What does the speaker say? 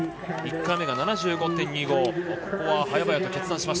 １回目が７５．２５。